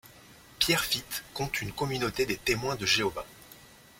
Pierrefitte compte une communauté des Témoins de Jéhovah.